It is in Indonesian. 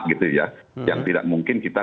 gitu ya yang tidak mungkin kita